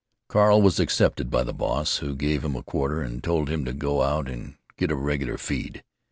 Carl was accepted by the "boss," who gave him a quarter and told him to go out and get a "regular feed."